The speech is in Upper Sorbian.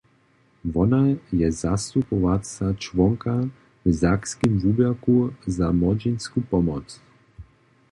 Wona je zastupowaca čłonka w Sakskim wuběrku za młodźinsku pomoc.